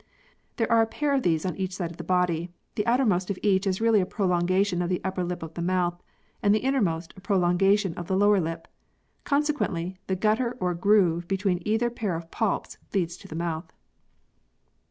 There are a pair of these on each side of the body; the outer most of each is really a prolongation of the upper lip of the mouth and the innermost a prolongation of the lower lip. Consequently the gutter or groove between either pair of palps leads to the mouth.